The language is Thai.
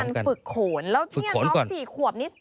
ต้องมีการฝึกโขนแล้วนี่น้องสี่ขวบนี้